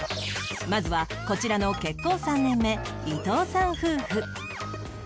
まずはこちらの結婚３年目伊東さん夫婦